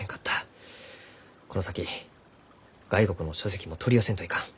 この先外国の書籍も取り寄せんといかん。